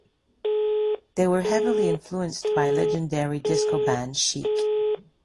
They were heavily influenced by legendary disco band Chic.